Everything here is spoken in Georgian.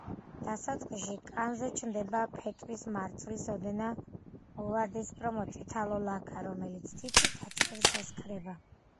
დასაწყისში კანზე ჩნდება ფეტვის მარცვლის ოდენა მოვარდისფრო-მოწითალო ლაქა, რომელიც თითის დაჭერისას ქრება.